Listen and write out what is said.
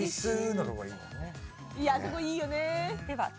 あそこいいよね。